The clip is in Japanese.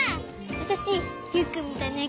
わたしユウくんみたいなえ